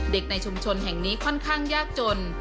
ในชุมชนแห่งนี้ค่อนข้างยากจน